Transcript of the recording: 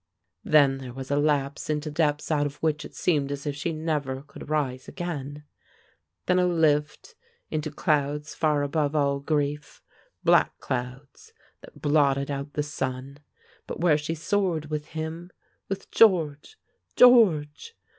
Then there was a lapse into depths out of which it seemed as if she never could rise again; then a lift into clouds far above all grief, black clouds, that blotted out the sun, but where she soared with him, with George, George!